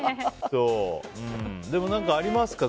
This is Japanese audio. でも、何かありますか？